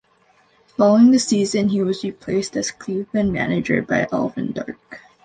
Following the season he was replaced as Cleveland manager by Alvin Dark.